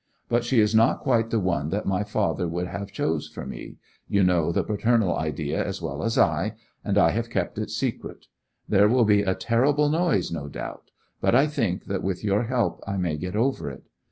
But she is not quite the one that my father would have chose for me—you know the paternal idea as well as I—and I have kept it secret. There will be a terrible noise, no doubt; but I think that with your help I may get over it.